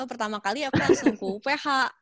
pertama kali aku langsung ke uph